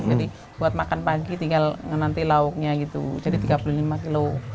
jadi buat makan pagi tinggal nanti lauknya gitu jadi tiga puluh lima kilo